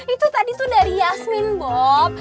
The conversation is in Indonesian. itu tadi tuh dari yasmin box